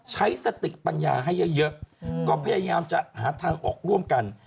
ใช้สติปัญญาให้เยอะก็พยายามจะหาทางออกร่วมกัน